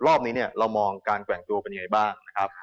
รอบนี้เนี่ยเรามองการแกว่งตัวเป็นยังไงบ้างนะครับ